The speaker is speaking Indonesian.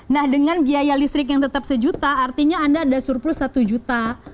nah dengan biaya listrik yang tetap sejuta artinya anda ada surplus satu juta